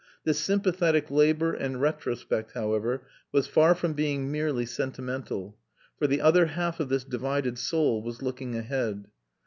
This sympathetic labour and retrospect, however, was far from being merely sentimental; for the other half of this divided soul was looking ahead.